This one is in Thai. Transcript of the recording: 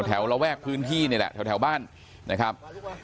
ระแวกพื้นที่นี่แหละแถวบ้านนะครับ